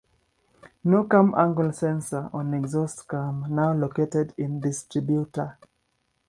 No cam angle sensor on exhaust cam, now located in distributor.